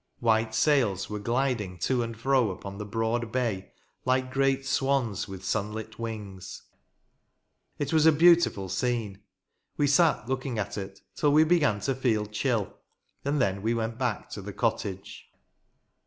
White sails were gliding to 15 and fro upon the broad bay, like great swans with sunlit wings. It was a beautiful scene. We sat looking at it till we began to feel chill, and then we went back to the cottage.